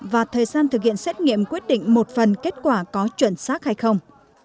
và thời gian thực hiện xét nghiệm quyết định một phần kết quả có chuẩn xác hay không